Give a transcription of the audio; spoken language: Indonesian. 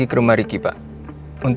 bagaimana walaupun lu burung pas enfant